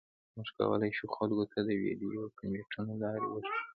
موږ کولی شو خلکو ته د ویډیو ګیمونو لارې وښیو